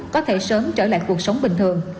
có thể sớm trở lại cuộc sống bình thường